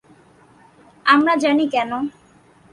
আমি জানি কেন।